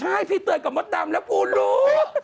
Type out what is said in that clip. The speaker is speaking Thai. ใช่พี่เตือนกับมดดำแล้วกูรู้